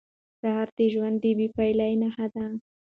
سهار د ژوند د بیا پیل نښه ده.